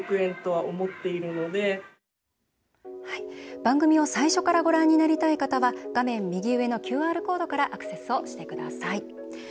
番組を最初からご覧になりたい方は画面右上のＱＲコードからアクセスをしてください。